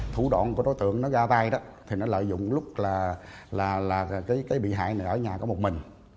thủ đoạn của đối tượng nó ra tay đó thì nó lợi dụng lúc là cái bị hại này ở nhà có một mình